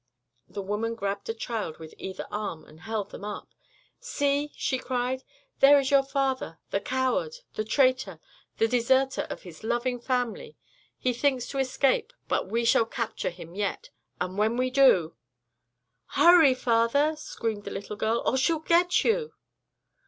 The woman grabbed a child with either arm and held them up. "See!" she cried. "There is your father the coward the traitor the deserter of his loving family. He thinks to escape; but we shall capture him yet, and when we do " "Hurry, father," screamed the little girl, "or she'll get you."